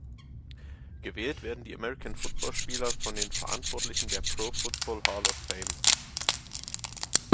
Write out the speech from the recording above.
Gewählt werden die American Football-Spieler von den Verantwortlichen der Pro Football Hall of Fame.